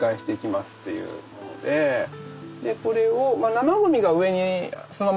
でこれを生ゴミが上にそのままあるとね